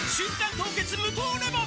凍結無糖レモン」